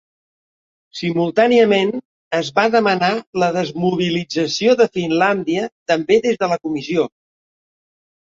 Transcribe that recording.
Simultàniament, es va demanar la desmobilització de Finlàndia, també des de la comissió.